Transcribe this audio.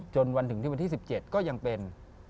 จนวันถึงที่วันที่๑๗ก็ยังเป็น